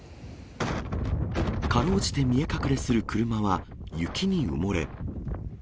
かろうじて見え隠れする車は、雪に埋もれ。